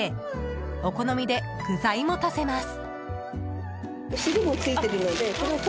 お好みで具材も足せます。